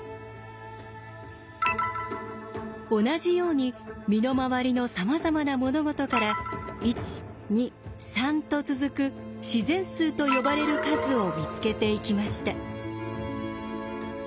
同じように身の回りのさまざまな物事から「１２３」と続く自然数と呼ばれる数を見つけていきました。